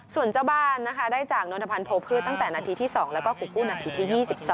ส่วนเจ้าบ้านนะคะได้จากนนทพันธ์โพพืชตั้งแต่นาทีที่๒แล้วก็กูกู้นาทีที่๒๒